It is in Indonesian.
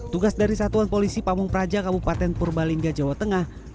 tugas dari satuan polisi pamung praja kabupaten purbalingga jawa tengah